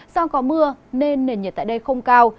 do có mưa nên nền nhiệt tại đây không cao